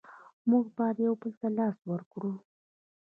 موږ باید یو بل ته لاس ورکړو.